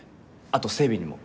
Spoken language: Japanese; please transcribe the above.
あと整備にも。